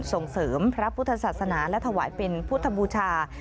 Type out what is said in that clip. ส่งเสริมพระพุทธศาสนาและถวายเป็นพุทธบูชา